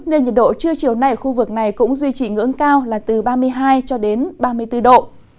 nên nhiệt độ trưa chiều này ở khu vực này cũng duy trì ngưỡng cao là từ ba mươi hai ba mươi bốn độ